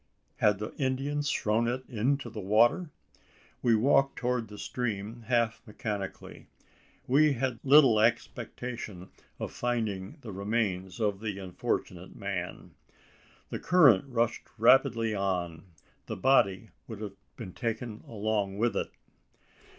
Had the Indians thrown it into the water? We walked towards the stream, half mechanically. We had little expectation of finding the remains of the unfortunate man. The current rushed rapidly on: the body would have been taken along with it?